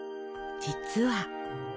実は。